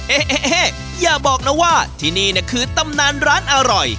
เอ๊ะอย่าบอกนะว่าที่นี่คือตำนานร้านอร่อย